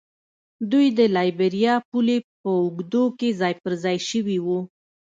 دوی د لایبیریا پولې په اوږدو کې ځای پر ځای شوي وو.